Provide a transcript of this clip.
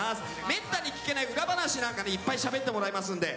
メッタに聞けない裏話などいっぱいしゃべってもらいますので。